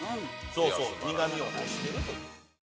そうそう苦味を欲してるという。